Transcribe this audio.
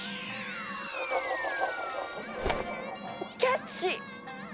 キャッチ！